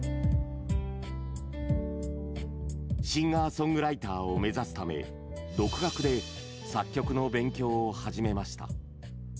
シンガーソングライターを目指すため独学で作曲の勉強を始めました。